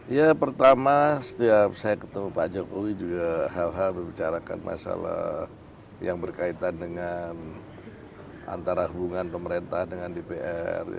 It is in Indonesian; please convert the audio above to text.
ya pertama setiap saya ketemu pak jokowi juga hal hal membicarakan masalah yang berkaitan dengan antara hubungan pemerintah dengan dpr